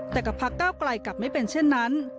แต่กับพักเก้าไกลกลับไม่เป็นเช่นนั้น